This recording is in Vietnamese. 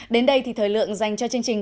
đến đây thì thời lượng dành cho chương trình